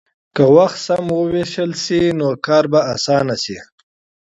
که وخت سم ووېشل شي، نو کار به اسانه شي.